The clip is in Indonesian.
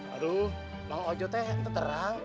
aduh bang ojo teh entah terang